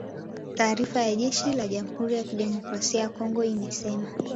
Taarifa ya jeshi la Jamuhuri ya Kidemokrasia ya Kongo imesema